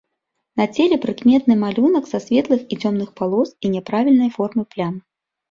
На целе прыкметны малюнак са светлых і цёмных палос і няправільнай формы плям.